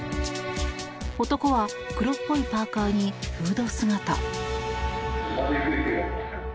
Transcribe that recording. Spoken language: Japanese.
男は黒っぽいパーカにフード姿。